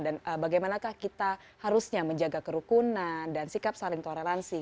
dan bagaimanakah kita harusnya menjaga kerukunan dan sikap saling toleransi